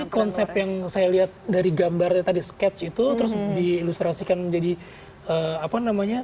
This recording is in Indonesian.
jadi konsep yang saya lihat dari gambarnya tadi sketch itu terus diilustrasikan menjadi apa namanya